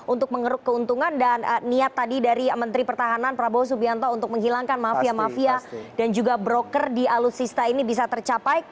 untuk mengeruk keuntungan dan niat tadi dari menteri pertahanan prabowo subianto untuk menghilangkan mafia mafia dan juga broker di alutsista ini bisa tercapai